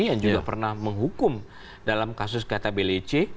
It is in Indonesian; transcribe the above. yang juga pernah menghukum dalam kasus kata blec